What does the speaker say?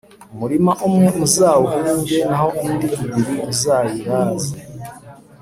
umurima umwe muzawuhinge naho indi ibiri muzayiraze.